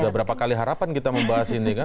berapa kali harapan kita membahas ini kan